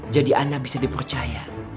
jadi ana bisa dipercaya